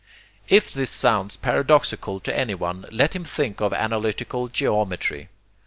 If this sounds paradoxical to anyone, let him think of analytical geometry.